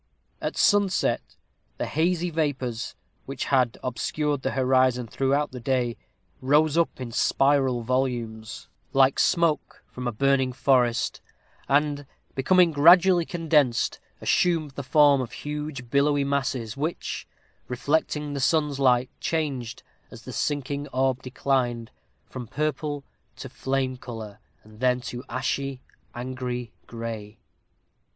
At sunset, the hazy vapors, which had obscured the horizon throughout the day, rose up in spiral volumes, like smoke from a burning forest, and, becoming gradually condensed, assumed the form of huge, billowy masses, which, reflecting the sun's light, changed, as the sinking orb declined, from purple to flame color, and thence to ashy, angry gray.